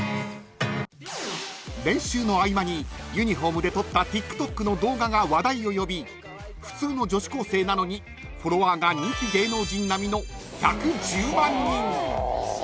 ［練習の合間にユニホームで撮ったＴｉｋＴｏｋの動画が話題を呼び普通の女子高生なのにフォロワーが人気芸能人並みの１１０万人］